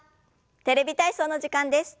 「テレビ体操」の時間です。